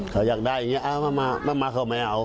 เขาอยากได้อย่างนี้มาเขาไม่เอา